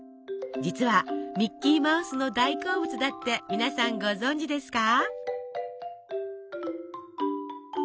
実はミッキーマウスの大好物だって皆さんご存じですか？